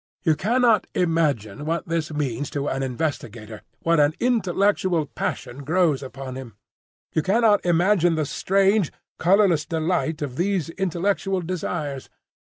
You cannot imagine what this means to an investigator, what an intellectual passion grows upon him! You cannot imagine the strange, colourless delight of these intellectual desires!